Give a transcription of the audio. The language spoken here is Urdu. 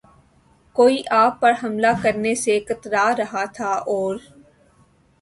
کوئی آپ پر حملہ کرنے سے کترا رہا تھا اور